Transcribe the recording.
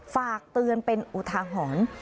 ฝากเตือนเป็นอุทาหรณ์